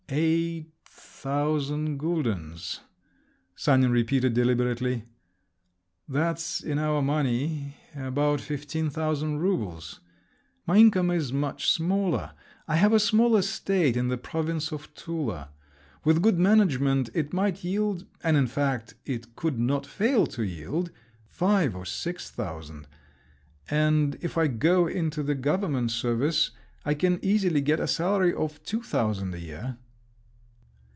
"Eight thousand guldens," Sanin repeated deliberately…. "That's in our money … about fifteen thousand roubles…. My income is much smaller. I have a small estate in the province of Tula…. With good management, it might yield—and, in fact, it could not fail to yield—five or six thousand … and if I go into the government service, I can easily get a salary of two thousand a year."